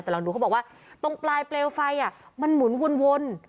แต่เราดูเขาบอกว่าตรงปลายเปลวไฟมันหมุนวน